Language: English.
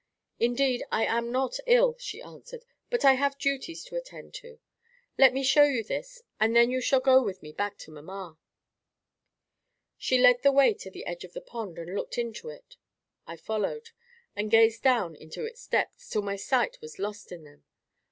"Indeed, I am not ill," she answered; "but I have duties to attend to. Just let me show you this, and then you shall go with me back to mamma." She led the way to the edge of the pond and looked into it. I followed, and gazed down into its depths, till my sight was lost in them.